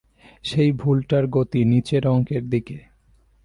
সেই ভুলটার গতি নীচের অঙ্কের দিকে।